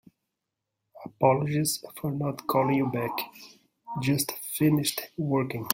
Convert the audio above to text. Apologies for not calling you back. Just finished working.